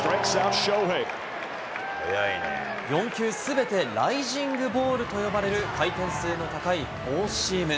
４球すべてライジングボールと呼ばれる回転数の高いフォーシーム。